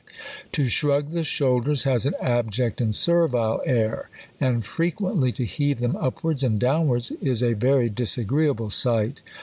To shrug the shoulders has an abject and servile air ; and fi equently to heave them upwards and down wards is a very disagr(jeable sight.